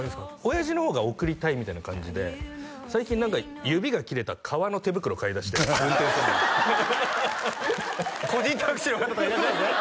親父の方が送りたいみたいな感じで最近何か指が切れた革の手袋買いだして運転するのに個人タクシーの方とかいらっしゃいますね